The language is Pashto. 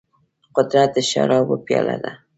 قدرت د شرابو پياله ده.